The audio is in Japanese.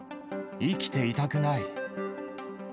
生きていたくない。